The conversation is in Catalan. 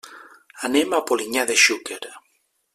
Anem a Polinyà de Xúquer.